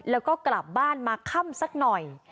แล้วก็กลับบ้านมาค่ำสักหน่อย